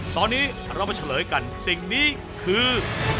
ตอนนี้เรามาเฉลยกันสิ่งนี้คือ